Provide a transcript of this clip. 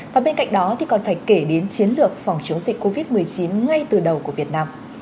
và bên cạnh đó thì còn phải kể đến chiến lược phòng chống dịch covid một mươi chín ngay từ đầu của việt nam